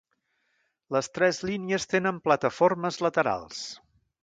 Les tres línies tenen plataformes laterals.